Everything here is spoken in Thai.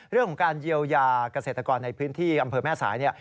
เรื่องของการเยียวยาเกษตรกรในพื้นที่อำเภอแม่สายเนี่ย